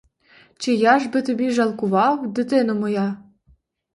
Чи я ж би тобі жалкував, дитино моя?